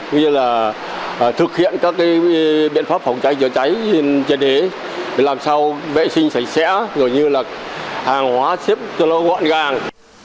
như là thực hiện các biện pháp phòng cháy chữa cháy trên thế làm sao vệ sinh sạch sẽ rồi như là hàng hóa xếp cho nó gọn gàng